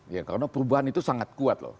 ya karena perubahan itu sangat kuat loh